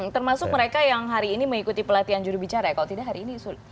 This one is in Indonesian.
termasuk mereka yang hari ini mengikuti pelatihan jurubicara ya kalau tidak hari ini